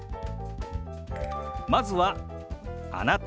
まずは「あなた」。